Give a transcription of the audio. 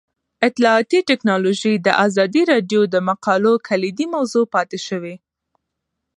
اطلاعاتی تکنالوژي د ازادي راډیو د مقالو کلیدي موضوع پاتې شوی.